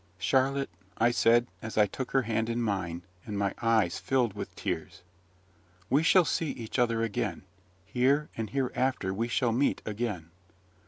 "Charlotte," I said, as I took her hand in mine, and my eyes filled with tears, "we shall see each other again here and hereafter we shall meet again."